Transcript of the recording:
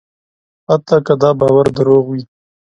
حتی که دا باور دروغ وي.